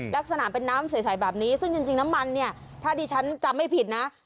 ลักษณะเป็นน้ำใสแบบนี้